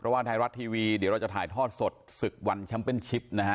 ว่าไทยรัฐทีวีเดี๋ยวเราจะถ่ายทอดสดศึกวันแชมป์เป็นชิปนะฮะ